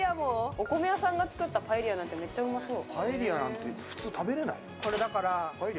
お米屋さんが作ったパエリアなんてめっちゃうまそう。